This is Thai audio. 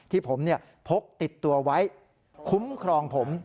ที่ผมพกติดตัวไว้คุ้มครองผม